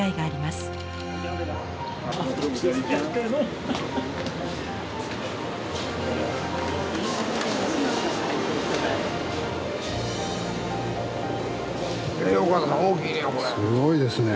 ・すごいですね。